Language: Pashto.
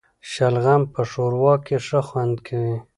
شلغم په ښوروا کي ښه خوند کوي